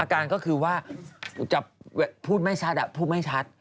อาการก็คือว่าพูดไม่ชัดอ่ะพูดไม่ชัด